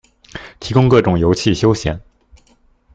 提供各種遊憩休閒